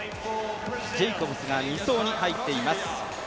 ジェイコブスが２走に入っています。